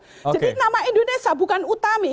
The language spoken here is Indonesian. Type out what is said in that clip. jadi nama indonesia bukan utami